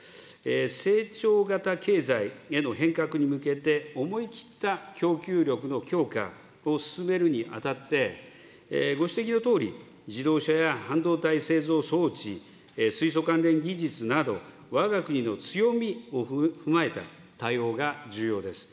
成長型経済への変革に向けて、思い切った供給力の強化を進めるにあたって、ご指摘のとおり、自動車や半導体製造装置、水素関連技術など、わが国の強みを踏まえた対応が重要です。